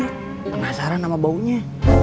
penasaran sama baunya